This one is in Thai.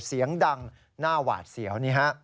เสียงดังหน้าหวาดเสียวนี่ฮะ